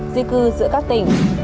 ba tám di cư giữa các tỉnh